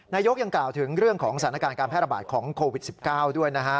นายกยังกล่าวถึงเรื่องของสถานการณ์การแพร่ระบาดของโควิด๑๙ด้วยนะฮะ